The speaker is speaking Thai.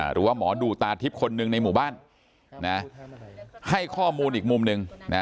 หรือว่าหมอดูตาทิพย์คนหนึ่งในหมู่บ้านให้ข้อมูลอีกมุมหนึ่ง